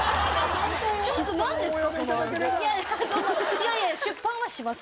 いやいや出版はします